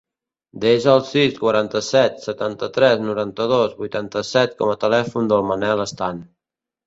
Desa el sis, quaranta-set, setanta-tres, noranta-dos, vuitanta-set com a telèfon del Manel Stan.